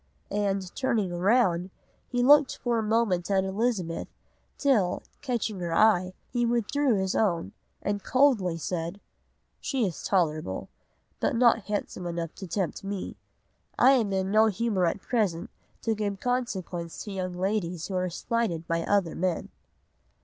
and, turning round, he looked for a moment at Elizabeth, till, catching her eye, he withdrew his own, and coldly said,—'She is tolerable; but not handsome enough to tempt me; and I am in no humour at present to give consequence to young ladies who are slighted by other men.